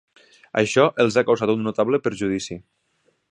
Això els ha causat un notable perjudici.